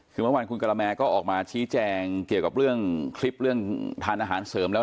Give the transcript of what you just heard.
คือเมื่อวานคุณกะละแมก็ออกมาชี้แจงเกี่ยวกับเรื่องคลิปเรื่องทานอาหารเสริมแล้ว